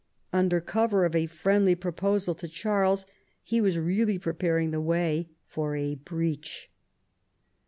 Under cover of a friendly proposal to Charles he was really preparing the way for a breach.